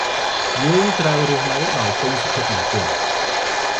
យើងត្រូវរស់នៅពេញដោយសុភមង្គល ។